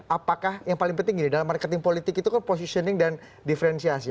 apakah yang paling penting gini dalam marketing politik itu kan positioning dan diferensiasi